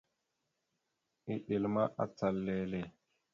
Eɗel ma, acal lele.